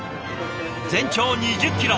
全長２０キロ。